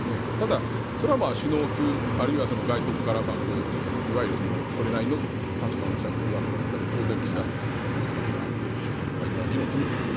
ただ、それは首脳級あるいは外国からいわゆるそれなりの立場の人が来るわけですから当然、岸田総理が会っていろんな議論をするでしょう。